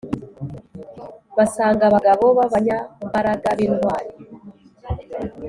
Basanga abagabo b abanyambaraga b intwari